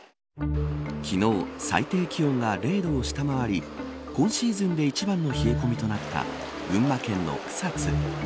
昨日、最低気温が０度を下回り今シーズンで一番の冷え込みとなった群馬県の草津。